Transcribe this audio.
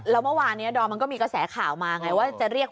แล้วเมื่อวานนี้ดอร์มันก็มีกระแสข่าวมาไง